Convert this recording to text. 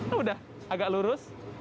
sudah agak lurus